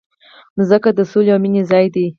مځکه د سولې او مینې ځای ده.